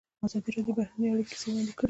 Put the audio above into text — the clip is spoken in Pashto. ازادي راډیو د بهرنۍ اړیکې کیسې وړاندې کړي.